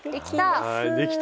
できた！